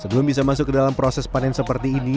sebelum bisa masuk ke dalam proses panen seperti ini